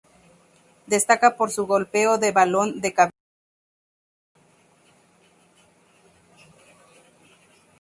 Destaca por su golpeo de balón de cabeza.